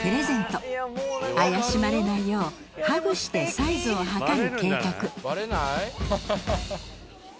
怪しまれないようハグしてサイズを測る計画。